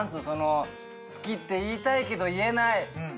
その好きって言いたいけど言えない。